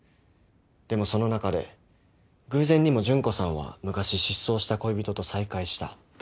でもその中で偶然にも純子さんは昔失踪した恋人と再会した。